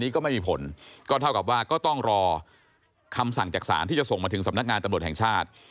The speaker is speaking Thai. คำสั่งจากศาลที่จะส่งมาถึงสำนักงานตำรวจแห่งชาติ